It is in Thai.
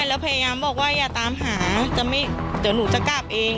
แล้วพยายามบอกว่าอย่าตามหาเดี๋ยวหนูจะกลับเอง